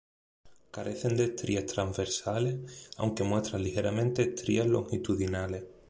Carecen de estrías transversales aunque muestran ligeramente estrías longitudinales.